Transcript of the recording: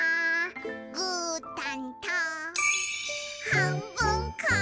「ぐーたんとはんぶんこ！」